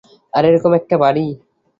আর এরকম একটা বাড়ি?